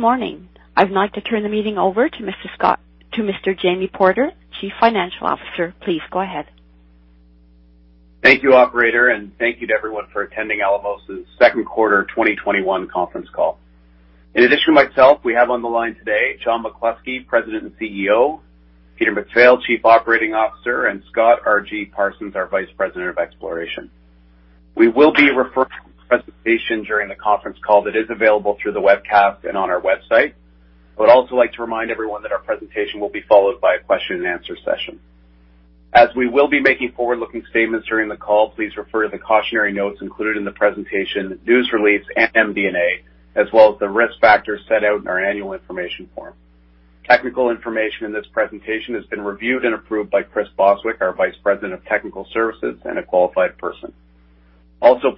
Good morning. I'd like to turn the meeting over to Mr. Jamie Porter, Chief Financial Officer. Please go ahead. Thank you, operator, and thank you to everyone for attending Alamos' Second Quarter 2021 Conference Call. In addition to myself, we have on the line today, John McCluskey, President and CEO, Peter MacPhail, Chief Operating Officer, and Scott R.G. Parsons, our Vice President of Exploration. We will be referring to a presentation during the conference call that is available through the webcast and on our website. I would also like to remind everyone that our presentation will be followed by a question and answer session. As we will be making forward-looking statements during the call, please refer to the cautionary notes included in the presentation, news release, and MD&A, as well as the risk factors set out in our annual information form. Technical information in this presentation has been reviewed and approved by Chris Bostwick, our Vice President of Technical Services, and a qualified person.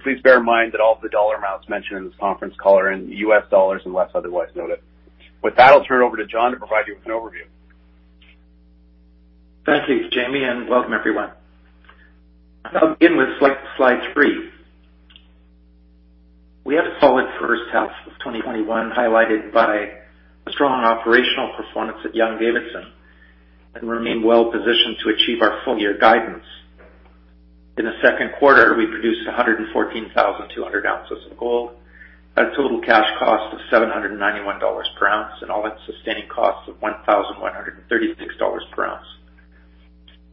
Please bear in mind that all of the dollar amounts mentioned in this conference call are in U.S. dollars unless otherwise noted. With that, I'll turn it over to John to provide you with an overview. Thank you, Jamie, and welcome everyone. I'll begin with slide three. We have a solid first half of 2021 highlighted by a strong operational performance at Young-Davidson and remain well positioned to achieve our full-year guidance. In the second quarter, we produced 114,200 ounces of gold at a total cash cost of $791 per ounce and all-in sustaining costs of $1,136 per ounce.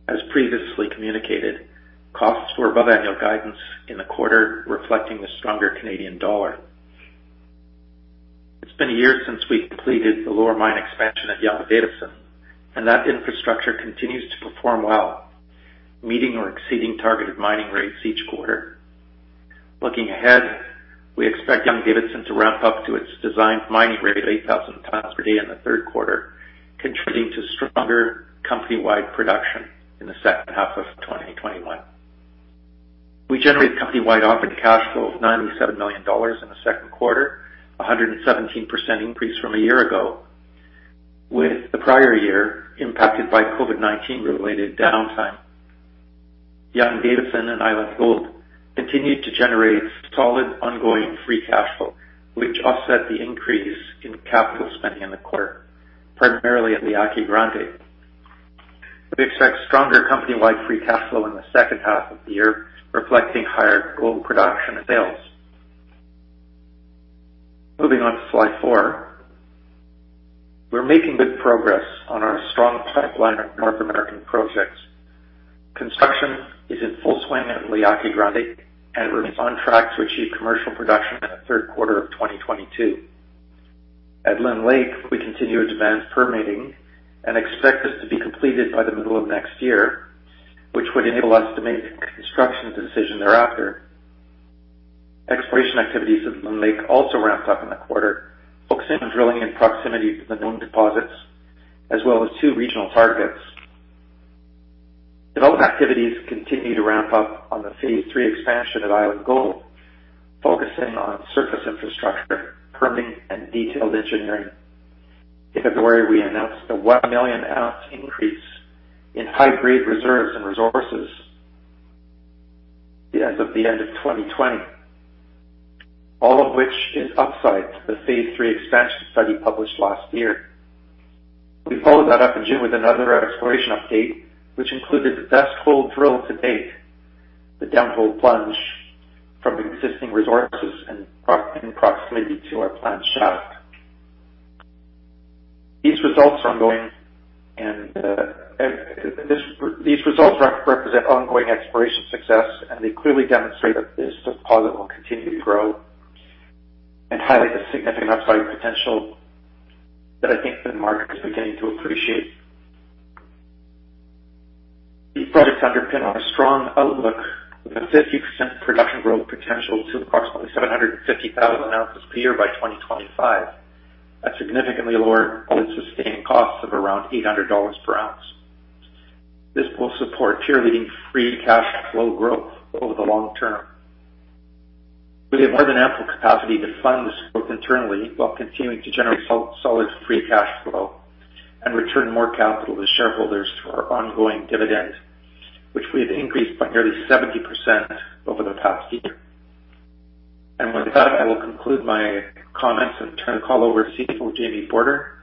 As previously communicated, costs were above annual guidance in the quarter, reflecting the stronger Canadian dollar. It's been a year since we completed the lower mine expansion at Young-Davidson, and that infrastructure continues to perform well, meeting or exceeding targeted mining rates each quarter. Looking ahead, we expect Young-Davidson to ramp up to its designed mining rate of 8,000 tons per day in the third quarter, contributing to stronger company-wide production in the second half of 2021. We generated company-wide operating cash flow of $97 million in the second quarter, 117% increase from a year ago, with the prior year impacted by COVID-19 related downtime. Young-Davidson and Island Gold continued to generate solid ongoing free cash flow, which offset the increase in capital spending in the quarter, primarily at La Yaqui Grande. We expect stronger company-wide free cash flow in the second half of the year, reflecting higher gold production and sales. Moving on to slide four. We're making good progress on our strong pipeline of North American projects. Construction is in full swing at La Yaqui Grande. We're on track to achieve commercial production in the third quarter of 2022. At Lynn Lake, we continue advanced permitting and expect this to be completed by the middle of next year, which would enable us to make a construction decision thereafter. Exploration activities at Lynn Lake also ramped up in the quarter, focusing on drilling in proximity to the known deposits, as well as two regional targets. Development activities continue to ramp up on the Phase III expansion at Island Gold, focusing on surface infrastructure, permitting, and detailed engineering. In February, we announced a 1 million ounce increase in high-grade reserves and resources as of the end of 2020, all of which is upside to the Phase III expansion study published last year. We followed that up in June with another exploration update, which included the best hole drilled to date, the downhole plunge from existing resources in proximity to our planned shaft. These results represent ongoing exploration success, and they clearly demonstrate that this deposit will continue to grow and highlight the significant upside potential that I think the market is beginning to appreciate. These projects underpin our strong outlook with a 50% production growth potential to approximately 750,000 ounces per year by 2025, at significantly lower all-in sustaining costs of around $800 per ounce. This will support peer-leading free cash flow growth over the long term. We have more than ample capacity to fund this growth internally while continuing to generate solid free cash flow and return more capital to shareholders through our ongoing dividend, which we've increased by nearly 70% over the past year. With that, I will conclude my comments and turn the call over to CFO Jamie Porter,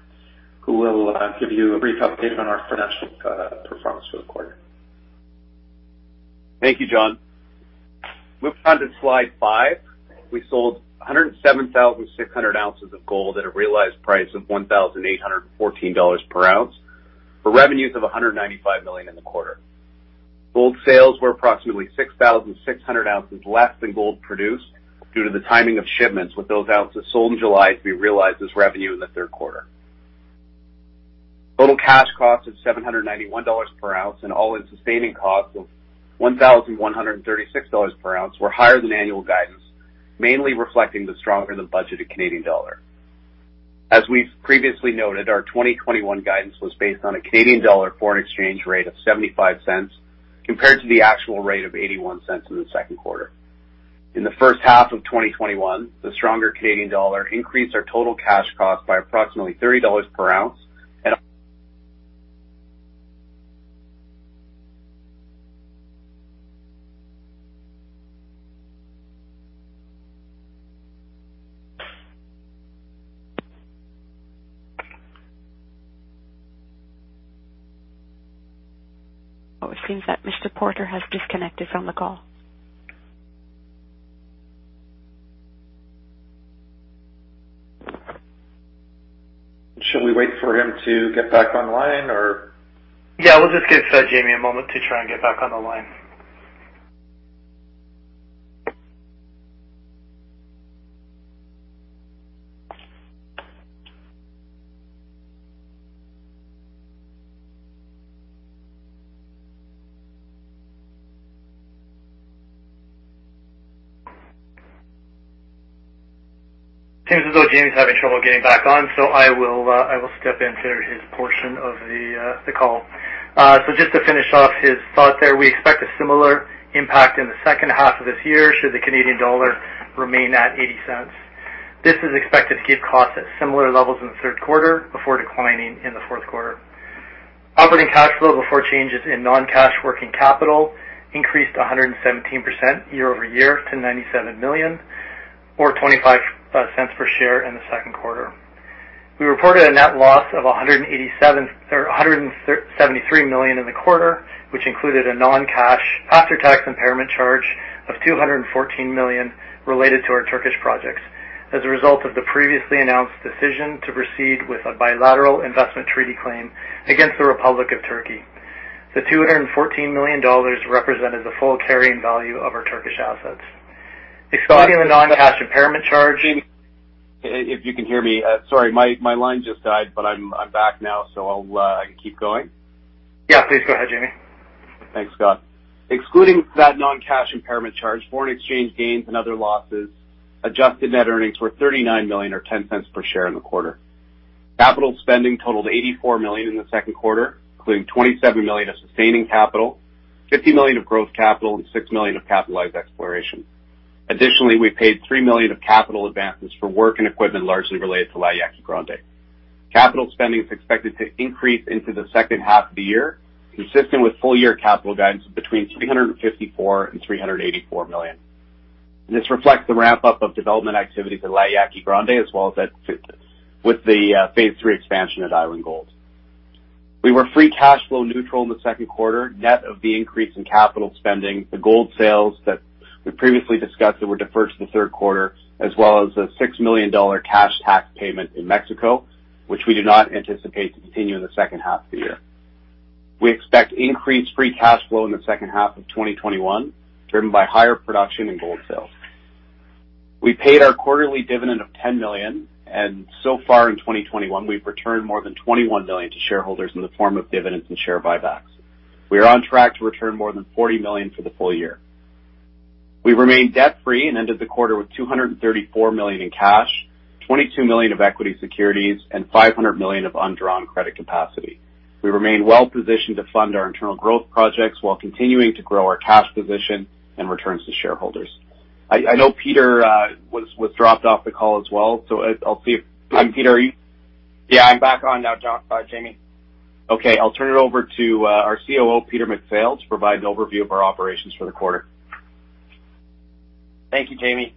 who will give you a brief update on our financial performance for the quarter. Thank you, John. Moving on to slide five. We sold 107,600 ounces of gold at a realized price of $1,814 per ounce for revenues of $195 million in the quarter. Gold sales were approximately 6,600 ounces less than gold produced due to the timing of shipments, with those ounces sold in July to be realized as revenue in the third quarter. Total cash cost of $791 per ounce and all-in sustaining costs of $1,136 per ounce were higher than annual guidance, mainly reflecting the stronger-than-budgeted Canadian dollar. As we've previously noted, our 2021 guidance was based on a Canadian dollar foreign exchange rate of 0.75 compared to the actual rate of 0.81 in the second quarter. In the first half of 2021, the stronger Canadian dollar increased our total cash cost by approximately $30 per ounce. Oh, it seems that Mr. Porter has disconnected from the call. Should we wait for him to get back online or? We'll just give Jamie a moment to try and get back on the line. Seems as though Jamie's having trouble getting back on, so I will step in for his portion of the call. Just to finish off his thought there, we expect a similar impact in the second half of this year, should the Canadian dollar remain at $0.80. This is expected to keep costs at similar levels in the third quarter before declining in the fourth quarter. Operating cash flow before changes in non-cash working capital increased 117% year-over-year to $97 million or $0.25 per share in the second quarter. We reported a net loss of $173 million in the quarter, which included a non-cash after-tax impairment charge of $214 million related to our Turkish projects as a result of the previously announced decision to proceed with a bilateral investment treaty claim against the Republic of Turkey. The $214 million represented the full carrying value of our Turkish assets. Excluding the non-cash impairment charge- If you can hear me. Sorry, my line just died, but I'm back now, so I can keep going. Yeah, please go ahead, Jamie. Thanks, Scott. Excluding that non-cash impairment charge, foreign exchange gains, and other losses, adjusted net earnings were $39 million or $0.10 per share in the quarter. Capital spending totaled $84 million in the second quarter, including $27 million of sustaining capital, $50 million of growth capital, and $6 million of capitalized exploration. Additionally, we paid $3 million of capital advances for work and equipment largely related to La Yaqui Grande. Capital spending is expected to increase into the second half of the year, consistent with full-year capital guidance between $354 million-$384 million. This reflects the ramp-up of development activities at La Yaqui Grande, as well as with the Phase III expansion at Island Gold. We were free cash flow neutral in the second quarter, net of the increase in capital spending, the gold sales that we previously discussed that were deferred to the third quarter, as well as a $6 million cash tax payment in Mexico, which we do not anticipate to continue in the second half of the year. We expect increased free cash flow in the second half of 2021, driven by higher production and gold sales. We paid our quarterly dividend of $10 million, and so far in 2021, we’ve returned more than $21 million to shareholders in the form of dividends and share buybacks. We are on track to return more than $40 million for the full year. We remain debt-free and ended the quarter with $234 million in cash, $22 million of equity securities, and $500 million of undrawn credit capacity. We remain well-positioned to fund our internal growth projects while continuing to grow our cash position and returns to shareholders. I know Peter was dropped off the call as well. I'll see if Peter, are you. Yeah, I'm back on now, Jamie. Okay. I'll turn it over to our COO, Peter MacPhail, to provide an overview of our operations for the quarter. Thank you, Jamie.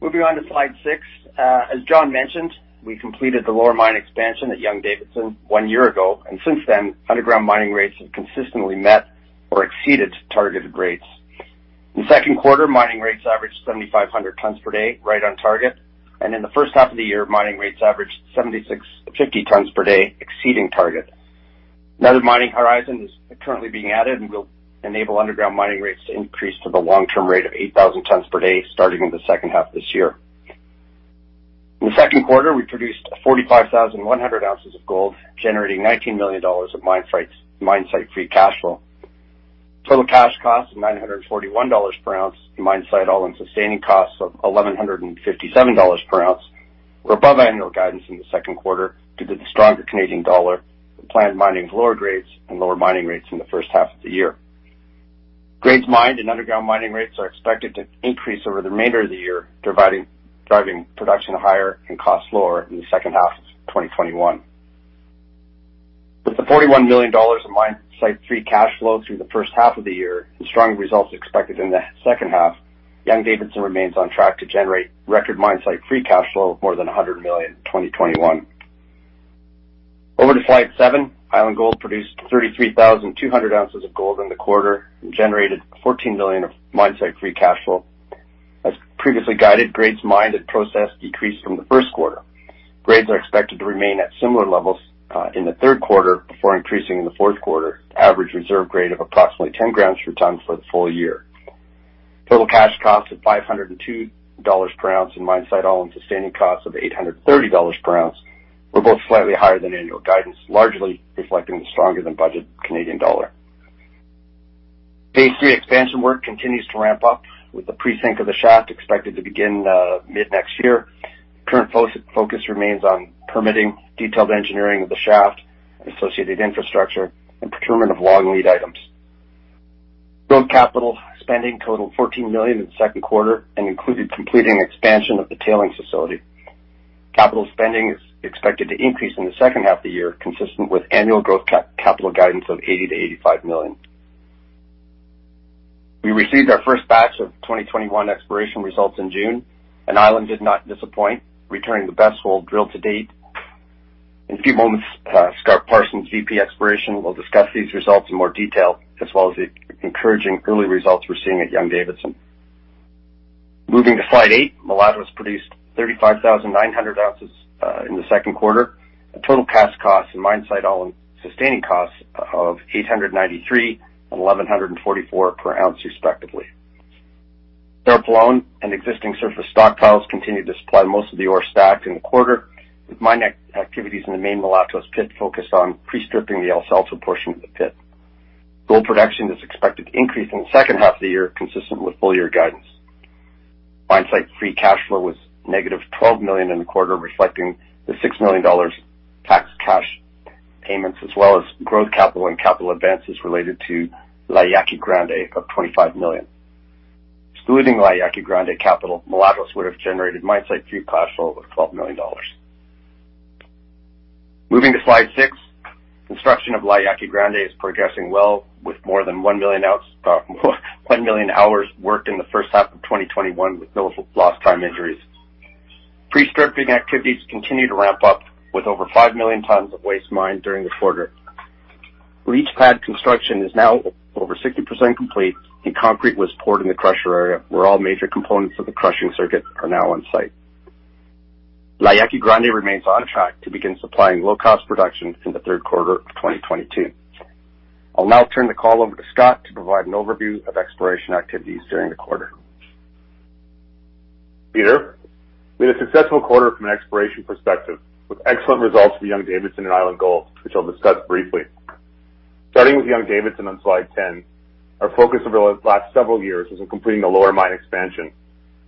Moving on to slide six. As John mentioned, we completed the lower mine expansion at Young-Davidson 1 year ago, and since then, underground mining rates have consistently met or exceeded targeted rates. In the second quarter, mining rates averaged 7,500 tons per day, right on target, and in the first half of the year, mining rates averaged 7,650 tons per day, exceeding target. Another mining horizon is currently being added and will enable underground mining rates to increase to the long-term rate of 8,000 tons per day, starting in the second half of this year. In the second quarter, we produced 45,100 ounces of gold, generating $19 million of mine-site free cash flow. Total cash cost of $941 per ounce and mine-site all-in sustaining costs of $1,157 per ounce were above annual guidance in the second quarter due to the stronger Canadian dollar, the planned mining of lower grades, and lower mining rates in the first half of the year. Grades mined and underground mining rates are expected to increase over the remainder of the year, driving production higher and costs lower in the second half of 2021. With the $41 million in mine-site free cash flow through the first half of the year and strong results expected in the second half, Young-Davidson remains on track to generate record mine-site free cash flow of more than $100 million in 2021. Over to slide seven. Island Gold produced 33,200 ounces of gold in the quarter and generated $14 million of mine-site free cash flow. As previously guided, grades mined and processed decreased from the first quarter. Grades are expected to remain at similar levels in the third quarter before increasing in the fourth quarter, average reserve grade of approximately 10 grams per ton for the full year. Total cash cost of $502 per ounce and mine-site all-in sustaining costs of $830 per ounce were both slightly higher than annual guidance, largely reflecting the stronger than budgeted Canadian dollar. Phase III expansion work continues to ramp up with the pre-sink of the shaft expected to begin mid-next year. Current focus remains on permitting detailed engineering of the shaft, associated infrastructure, and procurement of long lead items. Growth capital spending totaled $14 million in the second quarter and included completing expansion of the tailing facility. Capital spending is expected to increase in the second half of the year, consistent with annual growth capital guidance of $80 million-$85 million. We received our first batch of 2021 exploration results in June, and Island did not disappoint, returning the best hole drilled to date. In a few moments, Scott Parsons, VP Exploration, will discuss these results in more detail, as well as the encouraging early results we're seeing at Young-Davidson. Moving to slide eight, Mulatos produced 35,900 ounces in the second quarter, a total cash cost and mine site all-in sustaining costs of $893 and $1,144 per ounce respectively. Cerro Pelon and existing surface stockpiles continued to supply most of the ore stacked in the quarter, with mine activities in the main Mulatos pit focused on pre-stripping the El Salto portion of the pit. Gold production is expected to increase in the second half of the year, consistent with full year guidance. Mine-site free cash flow was -$12 million in the quarter, reflecting the $6 million tax cash payments, as well as growth capital and capital advances related to La Yaqui Grande of $25 million. Excluding La Yaqui Grande capital, Mulatos would have generated mine-site free cash flow of $12 million. Moving to slide six, construction of La Yaqui Grande is progressing well, with more than 1 million hours worked in the first half of 2021, with no lost time injuries. Pre-stripping activities continue to ramp up, with over 5 million tons of waste mined during the quarter. Leach pad construction is now over 60% complete, and concrete was poured in the crusher area, where all major components of the crushing circuit are now on site. La Yaqui Grande remains on track to begin supplying low-cost production in the third quarter of 2022. I'll now turn the call over to Scott to provide an overview of exploration activities during the quarter. Thank you, Peter. We had a successful quarter from an exploration perspective, with excellent results for Young-Davidson and Island Gold, which I'll discuss briefly. Starting with Young-Davidson on slide 10, our focus over the last several years was on completing the lower mine expansion.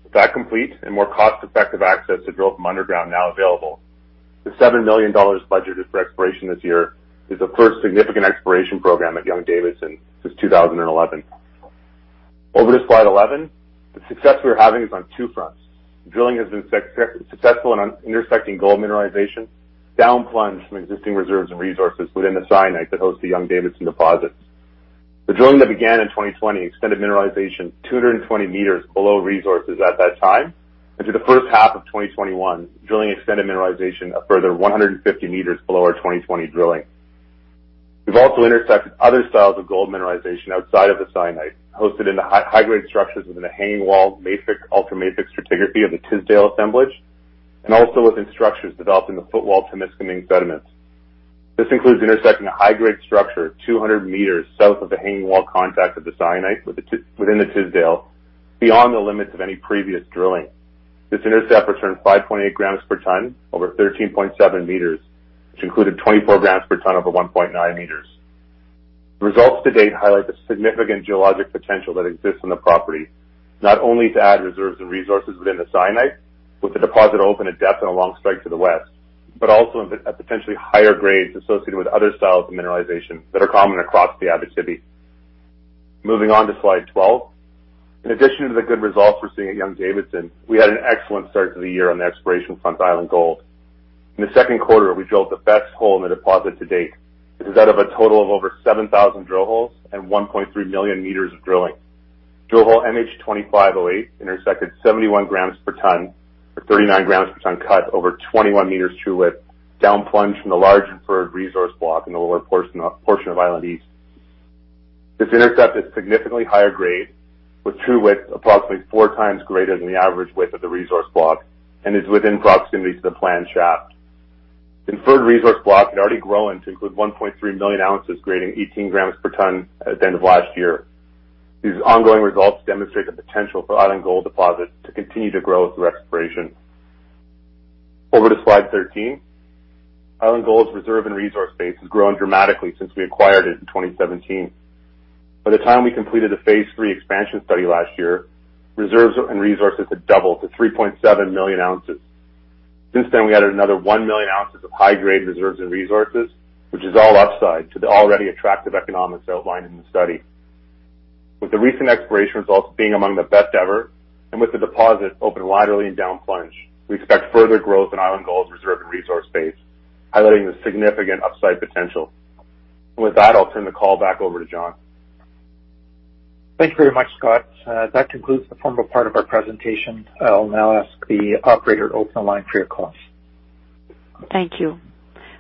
With that complete and more cost-effective access to drill from underground now available, the $7 million budgeted for exploration this year is the first significant exploration program at Young-Davidson since 2011. Over to slide 11, the success we are having is on two fronts. Drilling has been successful in intersecting gold mineralization down plunge from existing reserves and resources within the syenite that hosts the Young-Davidson deposits. The drilling that began in 2020 extended mineralization 220 meters below resources at that time, and through the first half of 2021, drilling extended mineralization a further 150 meters below our 2020 drilling. We've also intersected other styles of gold mineralization outside of the syenite, hosted in the high-grade structures within the hanging wall mafic, ultramafic stratigraphy of the Tisdale assemblage, and also within structures developed in the footwall Timiskaming sediments. This includes intersecting a high-grade structure 200 meters south of the hanging wall contact of the syenite within the Tisdale, beyond the limits of any previous drilling. This intercept returned 5.8 grams per ton over 13.7 meters, which included 24 grams per ton over 1.9 meters. Results to date highlight the significant geologic potential that exists on the property, not only to add reserves and resources within the syenite, with the deposit open at depth and a long strike to the west, but also at potentially higher grades associated with other styles of mineralization that are common across the Abitibi. Moving on to slide 12. In addition to the good results, we're seeing at Young-Davidson, we had an excellent start to the year on the exploration front for Island Gold. In the second quarter, we drilled the best hole in the deposit to date. This is out of a total of over 7,000 drill holes and 1.3 million meters of drilling. Drill hole MH25-08 intersected 71 grams per ton or 39 grams per ton cut over 21 meters true width down plunge from the large, inferred resource block in the lower portion of Island East. This intercept is significantly higher grade with true width approximately 4x greater than the average width of the resource block and is within proximity to the planned shaft. Inferred resource block had already grown to include 1.3 million ounces grading 18 grams per ton at the end of last year. These ongoing results demonstrate the potential for Island Gold deposit to continue to grow through exploration. Over to slide 13. Island Gold's reserve and resource base has grown dramatically since we acquired it in 2017. By the time we completed the Phase III expansion study last year, reserves and resources had doubled to 3.7 million ounces. Since then, we added another 1 million ounces of high-grade reserves and resources, which is all upside to the already attractive economics outlined in the study. With the recent exploration results being among the best ever and with the deposit open laterally and down plunge, we expect further growth in Island Gold's reserve and resource base, highlighting the significant upside potential. With that, I'll turn the call back over to John. Thank you very much, Scott. That concludes the formal part of our presentation. I'll now ask the operator to open the line for your calls. Thank you.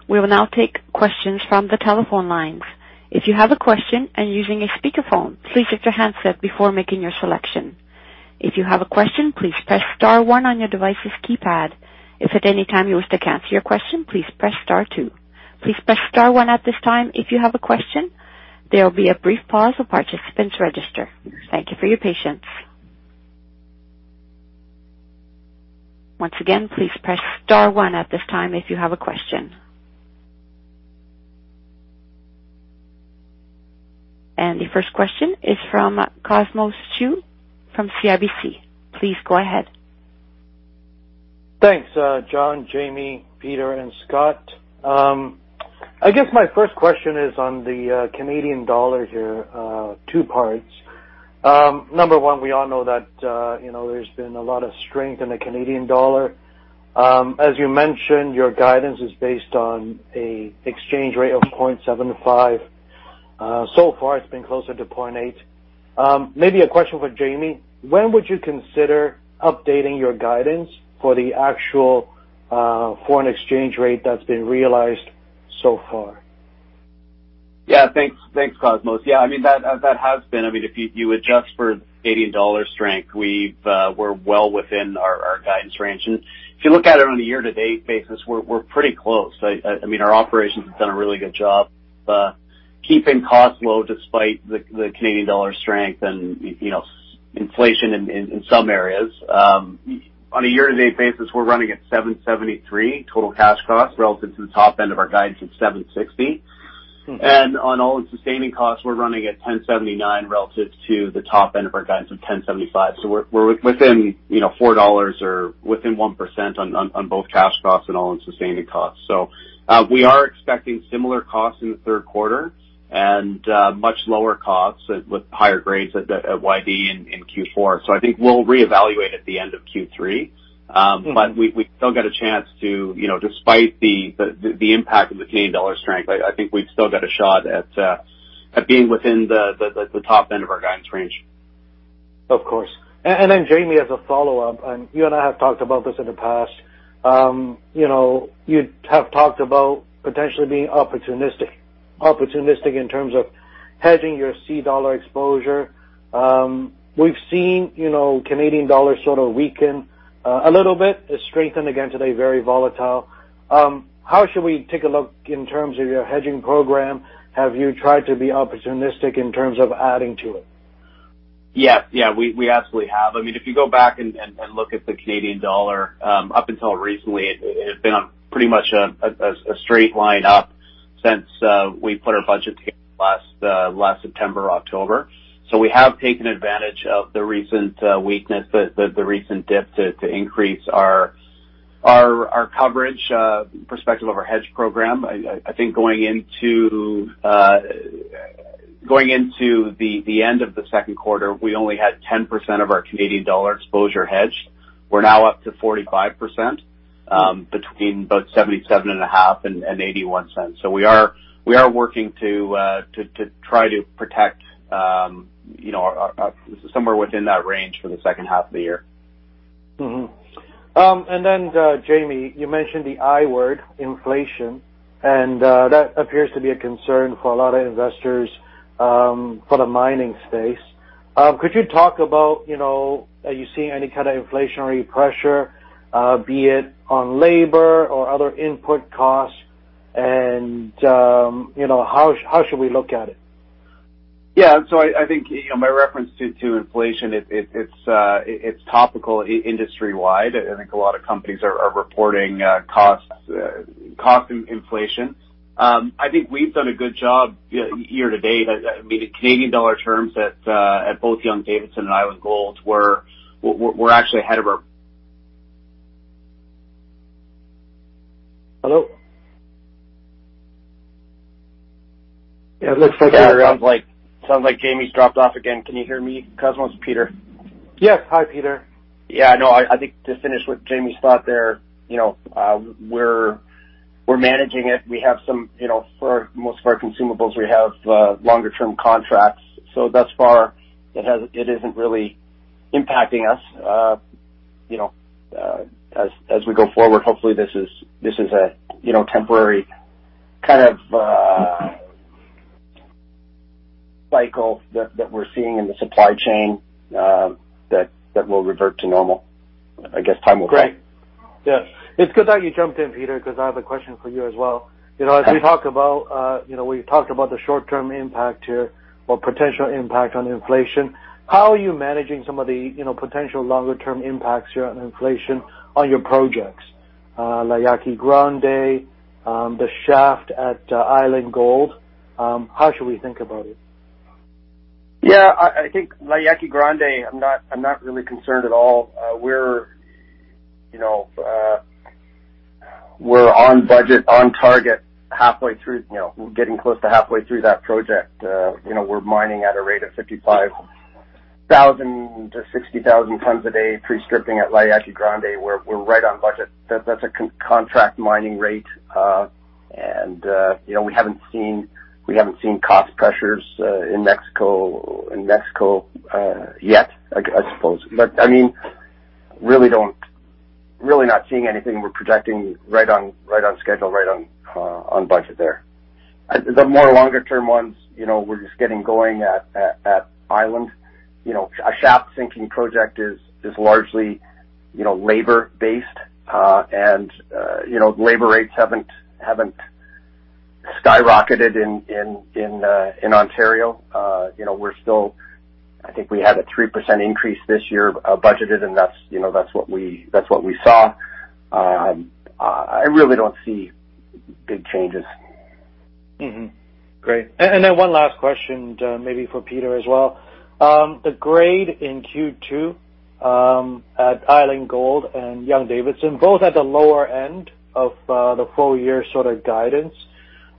We will now take questions from the telephone lines. If you have a question and you're using a speakerphone, please hit your handset before making your selection. If you have a question, please press star one on your device's keypad. If at any time you wish to cancel your question, please press star two. Please press star one at this time if you have a question. There will be a brief pause while participants register. Thank you for your patience. Once again, please press star one at this time if you have a question. The first question is from Cosmos Chiu from CIBC. Please go ahead. Thanks, John, Jamie, Peter, and Scott. I guess my first question is on the Canadian dollar here, two parts. Number one, we all know that there's been a lot of strength in the Canadian dollar. As you mentioned, your guidance is based on an exchange rate of 0.75 CAD/USD. So far, it's been closer to 0.80 CAD/USD. Maybe a question for Jamie. When would you consider updating your guidance for the actual foreign exchange rate that's been realized so far? Thanks, Cosmos. That has been, if you adjust for Canadian dollar strength, we're well within our guidance range. If you look at it on a year-to-date basis, we're pretty close. Our operations have done a really good job keeping costs low despite the Canadian dollar strength and inflation in some areas. On a year-to-date basis, we're running at $773 total cash costs relative to the top end of our guidance at $760. On all-in sustaining costs, we're running at $1,079 relative to the top end of our guidance of $1,075. We're within $4 or within 1% on both cash costs and all-in sustaining costs. We are expecting similar costs in the third quarter and much lower costs with higher grades at YD in Q4. I think we'll reevaluate at the end of Q3. We still get a chance to, despite the impact of the Canadian dollar strength, I think we've still got a shot at being within the top end of our guidance range. Of course. Jamie, as a follow-up, and you and I have talked about this in the past. You have talked about potentially being opportunistic in terms of hedging your CAD exposure. We've seen Canadian dollar sort of weaken a little bit. It strengthened again today, very volatile. How should we take a look in terms of your hedging program? Have you tried to be opportunistic in terms of adding to it? Yeah. We absolutely have. If you go back and look at the Canadian dollar, up until recently, it had been on pretty much a straight line up since we put our budget together last September, October. We have taken advantage of the recent weakness, the recent dip to increase our coverage perspective of our hedge program. I think going into the end of the second quarter, we only had 10% of our Canadian dollar exposure hedged. We're now up to 45%, between both 0.775 and 0.81. We are working to try to protect somewhere within that range for the second half of the year. Mm-hmm. Jamie, you mentioned the I word, inflation, and that appears to be a concern for a lot of investors for the mining space. Could you talk about, are you seeing any kind of inflationary pressure, be it on labor or other input costs, and how should we look at it? Yeah. I think my reference to inflation, it's topical industry wide. I think a lot of companies are reporting cost inflation. I think we've done a good job year-to-date. In Canadian dollar terms at both Young-Davidson and Island Gold, we're actually ahead of our... Hello? Yeah, it sounds like Jamie's dropped off again. Can you hear me, Cosmos? Peter. Yes. Hi, Peter. Yeah. No, I think to finish what Jamie's thought there, we're managing it. For most of our consumables, we have longer-term contracts, so thus far it isn't really impacting us. As we go forward, hopefully this is a temporary kind of cycle that we're seeing in the supply chain that will revert to normal. I guess time will tell. Great. Yeah. It's good that you jumped in, Peter, because I have a question for you as well. Okay. As we talked about the short-term impact here or potential impact on inflation, how are you managing some of the potential longer-term impacts here on inflation on your projects, La Yaqui Grande, the shaft at Island Gold? How should we think about it? I think La Yaqui Grande, I'm not really concerned at all. We're on budget, on target, getting close to halfway through that project. We're mining at a rate of 55,000 tons to 60,000 tons a day, pre-stripping at La Yaqui Grande. We're right on budget. That's a contract mining rate. We haven't seen cost pressures in Mexico yet, I suppose. Really not seeing anything. We're projecting right on schedule, right on budget there. The more longer-term ones, we're just getting going at Island. A shaft-sinking project is largely labor-based, labor rates haven't skyrocketed in Ontario. I think we had a 3% increase this year budgeted, that's what we saw. I really don't see big changes. One last question, maybe for Peter as well. The grade in Q2 at Island Gold and Young-Davidson, both at the lower end of the full year sort of guidance.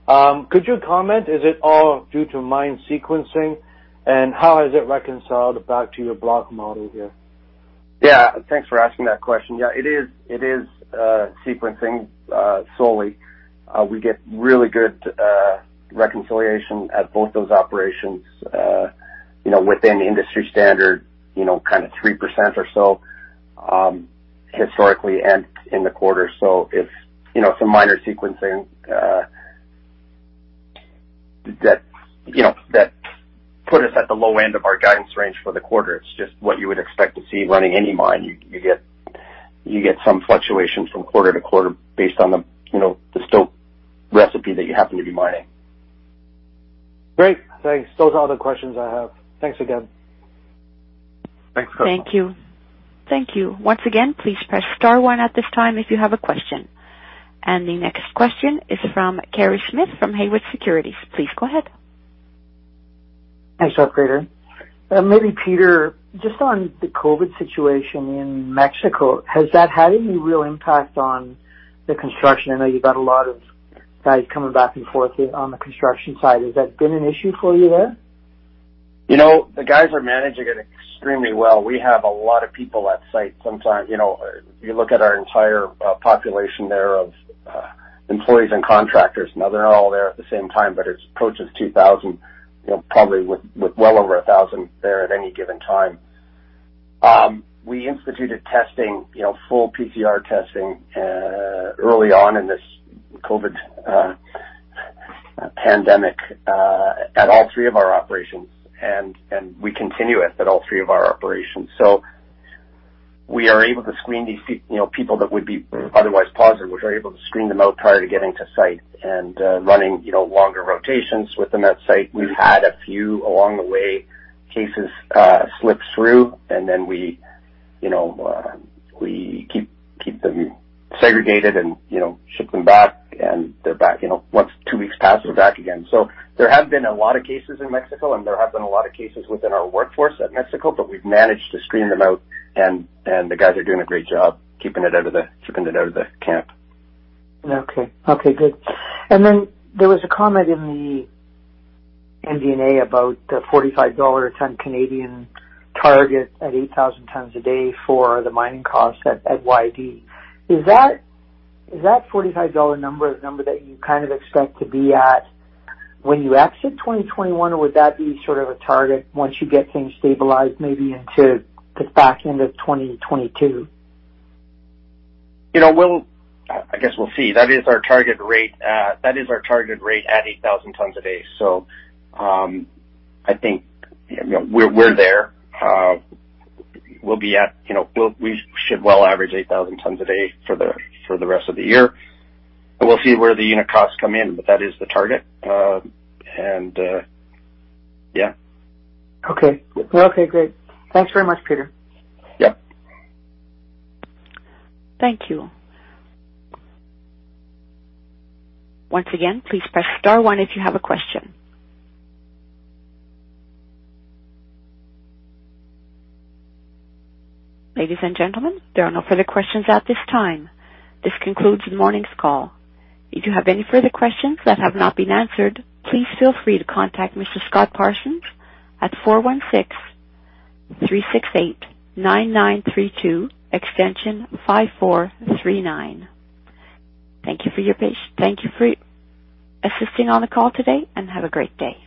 Could you comment, is it all due to mine sequencing, and how is it reconciled back to your block model here? Yeah, thanks for asking that question. Yeah, it is sequencing solely. We get really good reconciliation at both those operations within industry standard, kind of 3% or so historically and in the quarter. Some minor sequencing that put us at the low end of our guidance range for the quarter. It's just what you would expect to see running any mine. You get some fluctuations from quarter to quarter based on the stope recipe that you happen to be mining. Great. Thanks. Those are all the questions I have. Thanks again. Thanks. Thank you. Thank you. Once again, please press star one at this time if you have a question. The next question is from Kerry Smith from Haywood Securities. Please go ahead. Thanks, operator. Maybe Peter, just on the COVID situation in Mexico, has that had any real impact on the construction? I know you've got a lot of guys coming back and forth on the construction side. Has that been an issue for you there? The guys are managing it extremely well. We have a lot of people at site sometimes. You look at our entire population there of employees and contractors. They're not all there at the same time, but it approaches 2,000, probably with well over 1,000 there at any given time. We instituted testing, full PCR testing, early on in this COVID-19 pandemic at all three of our operations, and we continue it at all three of our operations. We are able to screen these people that would be otherwise positive. We're able to screen them out prior to getting to site and running longer rotations within that site. We've had a few along the way cases slip through, and then we keep them segregated and ship them back, and once 2 weeks pass, they're back again. There have been a lot of cases in Mexico, and there have been a lot of cases within our workforce at Mexico, but we've managed to screen them out, and the guys are doing a great job keeping it out of the camp. Okay, good. There was a comment in the MD&A about the 45 dollar per ton Canadian target at 8,000 tons a day for the mining cost at YD. Is that 45 dollar number the number that you kind of expect to be at when you exit 2021, or would that be sort of a target once you get things stabilized maybe into the back end of 2022? I guess we'll see. That is our target rate at 8,000 tons a day. I think we're there. We should well average 8,000 tons a day for the rest of the year. We'll see where the unit costs come in, but that is the target. Okay, good. Thanks very much, Peter. Yep. Thank you. Once again, please press star one if you have a question. Ladies and gentlemen, there are no further questions at this time. This concludes the morning's call. If you have any further questions that have not been answered, please feel free to contact Mr. Scott Parsons at 416-368-9932, extension 5439. Thank you for assisting on the call today, and have a great day.